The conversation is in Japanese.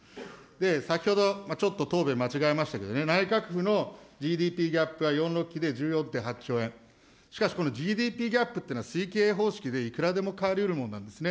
で、先ほど、ちょっと答弁間違いましたけれどもね、内閣府のＧＤＰギャップは４ー６期で１４．８兆円、しかしこのＧＤＰギャップというのは推計方式で、いくらでも変わりうるものなんですね。